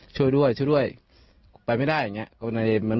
ช่วยด้วยช่วยด้วยป่าไม่ได้ก็ปาไว้อย่างงี้